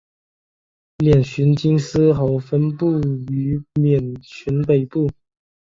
缅甸金丝猴分布于缅甸北部。